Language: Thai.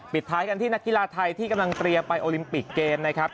ท้ายกันที่นักกีฬาไทยที่กำลังเตรียมไปโอลิมปิกเกมนะครับ